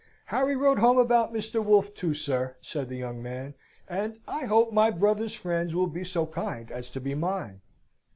"Harry wrote home about Mr. Wolfe, too, sir," said the young man, "and I hope my brother's friends will be so kind as to be mine."